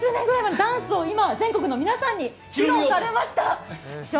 ダンスを今、全国の皆さんに披露されました。